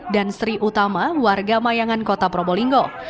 dan sri utama warga mayangan kota probolinggo